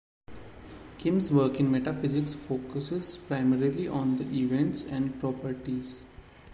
Kim's work in metaphysics focuses primarily on events and properties.